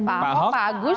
pak ho pak agus